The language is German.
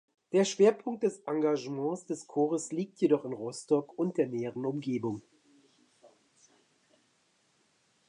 Der Schwerpunkt des Engagements des Chores liegt jedoch in Rostock und der näheren Umgebung.